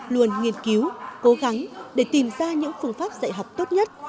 luôn nghiên cứu cố gắng để tìm ra những phương pháp dạy học tốt nhất